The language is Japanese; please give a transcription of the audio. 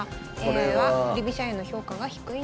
ＡＩは振り飛車への評価が低いんです。